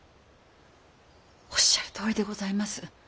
おっしゃるとおりでございます。